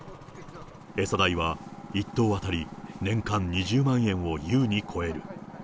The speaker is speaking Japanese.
餌代は１頭当たり年間２０万円をゆうに超える。